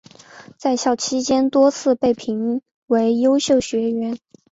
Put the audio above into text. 在校期间多次被评为优秀学员。